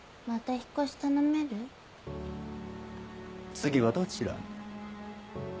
次はどちらへ？